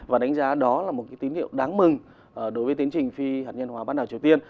và đánh giá đó là một cái tín hiệu đáng mừng đối với tiến trình phi hạt nhân hóa bắt đầu triều tiên